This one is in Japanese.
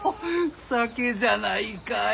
酒じゃないかえ？